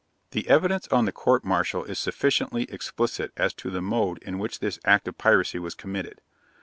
The evidence on the court martial is sufficiently explicit as to the mode in which this act of piracy was committed.